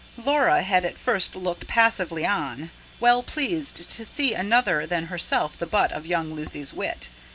Laura had at first looked passively on, well pleased to see another than herself the butt of young Lucy's wit.